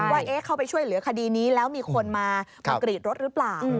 ว่าเข้าไปช่วยเหลือคดีนี้แล้วมีคนมากรีดรถหรือเปล่า